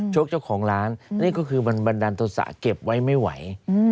กเจ้าของร้านนี่ก็คือมันบันดาลโทษะเก็บไว้ไม่ไหว